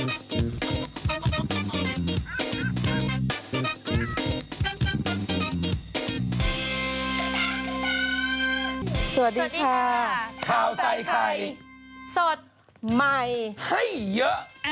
สวัสดีค่ะข้าวใส่ไข่สดใหม่ให้เยอะ